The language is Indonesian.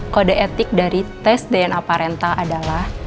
kode etik dari tes dna parenta adalah